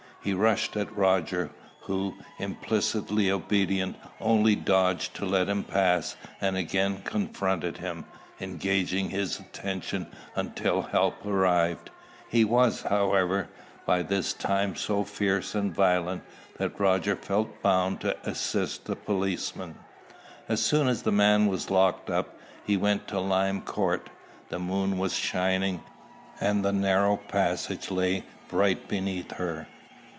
He rushed at Roger, who, implicitly obedient, only dodged to let him pass, and again confronted him, engaging his attention until help arrived. He was, however, by this time so fierce and violent, that Roger felt bound to assist the policeman. As soon as the man was locked up, he went to Lime Court. The moon was shining, and the narrow passage lay bright beneath her.